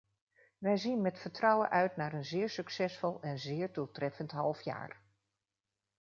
Wij zien met vertrouwen uit naar een zeer succesvol en zeer doeltreffend halfjaar.